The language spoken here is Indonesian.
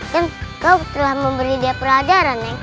kan kau telah memberi dia pelajaran